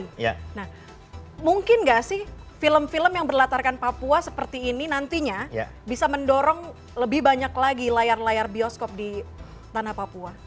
nah mungkin nggak sih film film yang berlatarkan papua seperti ini nantinya bisa mendorong lebih banyak lagi layar layar bioskop di tanah papua